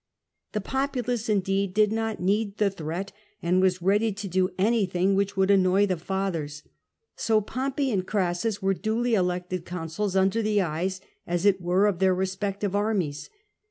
The populace, indeed, did not need the threat, and was ready to do anything which would annoy the Fathers. So Pompey and Orassus were duly elected consuls, under the eyes, as it were, of their respective armies.